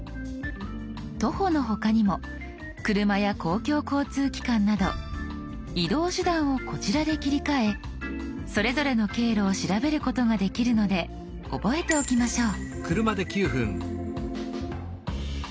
徒歩の他にも車や公共交通機関など移動手段をこちらで切り替えそれぞれの経路を調べることができるので覚えておきましょう。